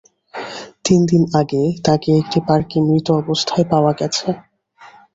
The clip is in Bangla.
তিনদিন আগে তাকে একটি পার্কে মৃত অবস্থায় পাওয়া গেছে।